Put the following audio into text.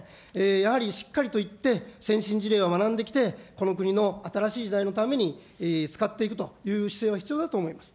やはり、しっかりと行って、せんしんじれいを学んできて、この国の新しい時代のために使っていくという姿勢は必要だと思います。